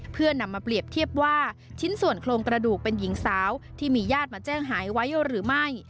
เพื่อนำมาเปรียบเทียบว่าชิ้นส่วนโครงกระดูกเป็นหญิงสาวที่มีญาติมาแจ้งหายไว้หรือไม่